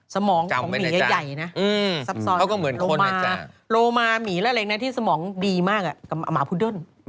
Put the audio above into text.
สมองของหมีใหญ่นะซับซอยโลมาหมีและอะไรที่สมองดีมากกับหมาพุดด้น